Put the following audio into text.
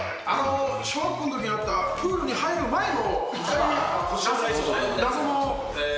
小学校のときにあった、プールに入る前の。